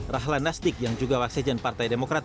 rahlan nasdik yang juga waksejah partai demokrat